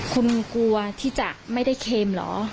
คุณกลัวที่จะไม่ได้เค็มเหรอ